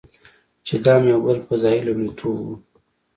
چې دا هم یو بل فضايي لومړیتوب و.